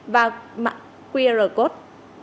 và qr code